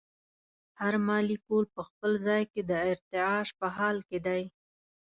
هر مالیکول په خپل ځای کې د ارتعاش په حال کې دی.